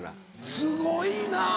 すごいな。